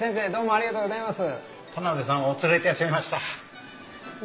ありがとうございます。